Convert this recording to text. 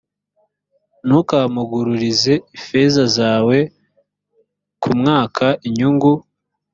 ntukamuguririze ifeza zawe kumwaka inyungu